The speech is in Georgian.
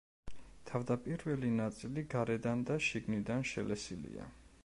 თავდაპირველი ნაწილი გარედან და შიგნიდან შელესილია.